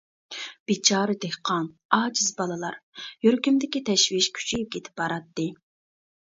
بىچارە دېھقان، ئاجىز بالىلار. يۈرىكىمدىكى تەشۋىش كۈچىيىپ كېتىپ باراتتى.